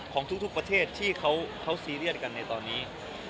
ของทุกประเทศที่เขาซีเรียสกันในตอนนี้